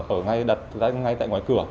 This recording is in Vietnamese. ở ngay đặt đặt ngay tại ngoài cửa